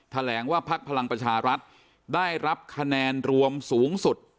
แถลงว่าพักพลังประชารัฐได้รับคะแนนรวมสูงสุด